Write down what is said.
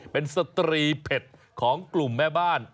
เป็นสตรีเผ็ดของกลุ่มแม่บ้าน